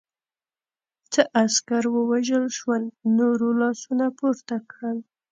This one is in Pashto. څه عسکر ووژل شول، نورو لاسونه پورته کړل.